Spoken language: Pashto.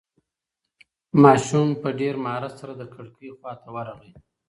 ماشوم په ډېر مهارت سره د کړکۍ خواته ورغی.